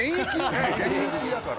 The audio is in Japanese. ねえ現役だから。